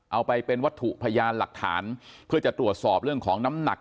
เอาไปเป็นวัตถุพยานหลักฐานเพื่อจะตรวจสอบเรื่องของน้ำหนัก